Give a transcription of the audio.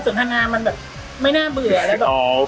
ทำให้กับวงสถาปธรรมรวมเสร็จไม่น่าเบื่อ